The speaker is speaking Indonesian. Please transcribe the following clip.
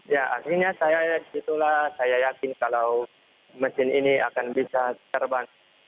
ya akhirnya saya disitulah saya yakin kalau mesin ini akan bisa terbang